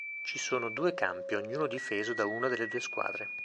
Ci sono due campi, ognuno difeso da una delle squadre.